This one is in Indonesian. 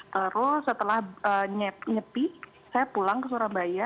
terus setelah nyepi saya pulang ke surabaya